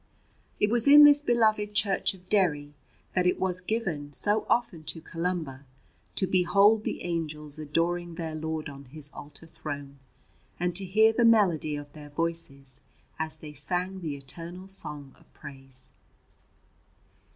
It was in this beloved church of Derry that it was given so often to Columba to behold the angels adoring their Lord on His altar throne, and to hear the melody of their voices as they sang the eternal song of praise.